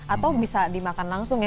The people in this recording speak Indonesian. atau bisa dimakan langsung ya